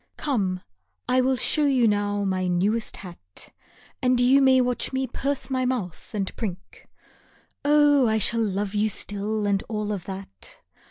Come, I will show you now my newest hat, And you may watch me purse my mouth and prink. Oh, I shall love you still and all of that.